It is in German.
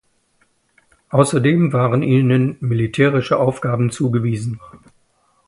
Außerdem waren ihnen militärische Aufgaben zugewiesen.